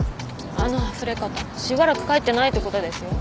あのあふれ方しばらく帰ってないってことですよ。